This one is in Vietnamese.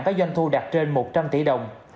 với doanh thu đạt trên một trăm linh tỷ đồng